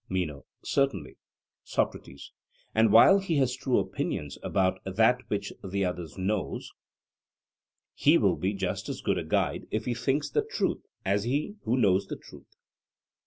MENO: Certainly. SOCRATES: And while he has true opinion about that which the other knows, he will be just as good a guide if he thinks the truth, as he who knows the truth?